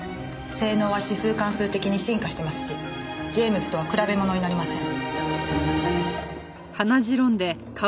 性能は指数関数的に進化してますしジェームズとは比べものになりません。